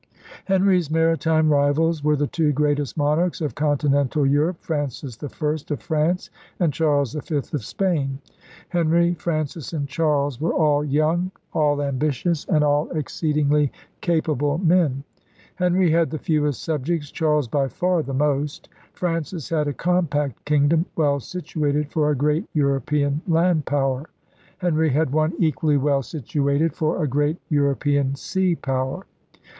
Henry's maritime rivals were the two greatest monarchs of continental Europe, Francis I of France and Charles V of Spain. Henry, Francis, and Charles were all young, all ambitious, and all exceedingly capable men. Henry had the fewest subjects, Charles by far the most. Francis had a compact kingdom well situated for a great European land power. Henry had one equally well situated for a great European sea power.